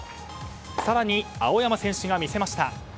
更に、青山選手が見せました。